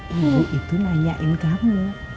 ibu itu nanyain kamu